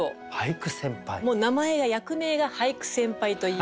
もう名前が役名が俳句先輩といいまして。